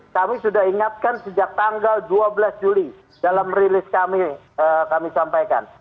kami sudah ingatkan sejak tanggal dua belas juli dalam rilis kami kami sampaikan